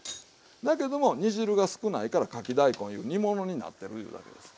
だけども煮汁が少ないからかき大根いう煮物になってるいうだけですわ。